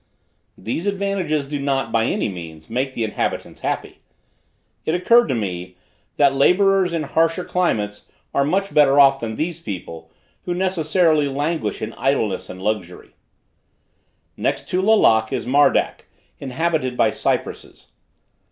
These advantages do not, by any means, make the inhabitants happy. It occurred to me, that laborers in harsher climates are much better off than these people, who necessarily languish in idleness and luxury. Next to Lalak is Mardak, inhabited by cypresses.